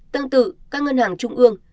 tương tự các ngân hàng trung ương